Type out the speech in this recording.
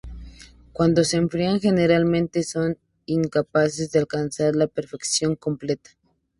Cuando se enfrían generalmente son incapaces de alcanzar la perfección completa.